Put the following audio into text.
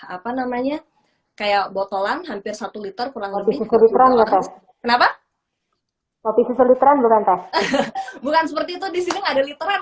apa namanya kayak botolan hampir satu liter kurang lebih kenapa bukan seperti itu di sini ada literan